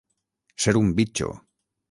Ser un bitxo.